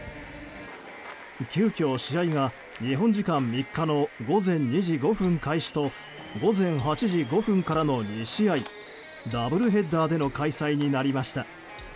急きょ試合が日本時間３日の午前２時５分開始と午前８時５分からの２試合ダブルヘッダーでの開催になりました。